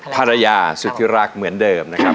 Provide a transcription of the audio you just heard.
ภรรยาสุธิรักษ์เหมือนเดิมนะครับ